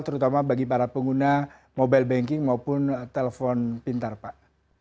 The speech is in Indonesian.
terutama bagi para pengguna mobile banking maupun telpon pintar pak